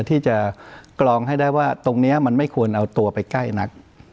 ที่จะกรองให้ได้ว่าตรงนี้มันไม่ควรเอาตัวไปใกล้นัก